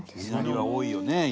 稲荷は多いよね